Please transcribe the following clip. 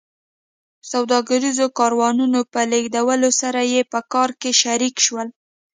سوداګریزو کاروانونو په لېږدولو سره یې په کار کې شریک شول